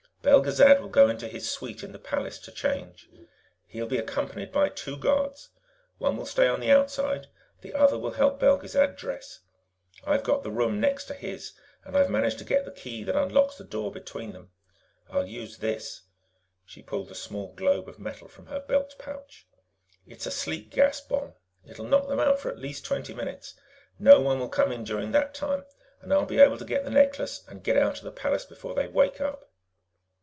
Belgezad will go into his suite in the Palace to change. He'll be accompanied by two guards. One will stay on the outside, the other will help Belgezad dress. I've got the room next to his, and I've managed to get the key that unlocks the door between them. I'll use this " She pulled a small globe of metal from her belt pouch. "It's a sleep gas bomb. It'll knock them out for at least twenty minutes. No one will come in during that time, and I'll be able to get the necklace and get out of the palace before they wake up."